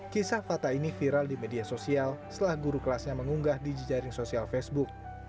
kisah fata ini viral di media sosial setelah guru kelasnya mengunggah di jejaring sosial facebook